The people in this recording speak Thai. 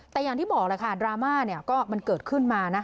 แต่อย่างที่บอกแหละค่ะดราม่าก็มันเกิดขึ้นมานะ